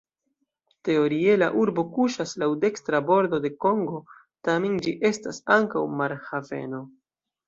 Teorie la urbo kuŝas laŭ dekstra bordo de Kongo, tamen ĝi estas ankaŭ marhaveno.